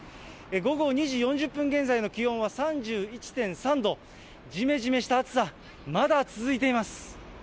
午後２時４０分現在の気温は３１．３度、じめじめした暑さ、まだ続いています。